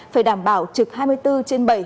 phải đảm bảo trực hai mươi bốn trên bảy